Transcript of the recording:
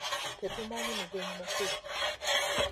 Tetumanyi mugenyi mukulu.